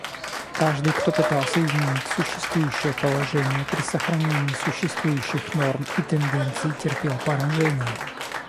Каждый, кто пытался изменить существующее положение при сохранении существующих норм и тенденций, терпел поражение.